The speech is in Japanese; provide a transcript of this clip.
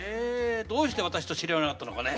どうして私と知り合わなかったのかね。